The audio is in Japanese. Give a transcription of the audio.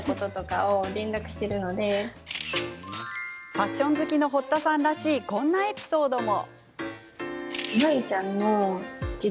ファッション好きの堀田さんらしいこんなエピソードも。